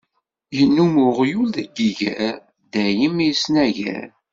Innum uɣyul deg yiger, dayem isnagar.